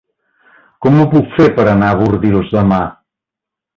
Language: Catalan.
Com ho puc fer per anar a Bordils demà?